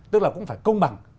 tức là cũng phải công bằng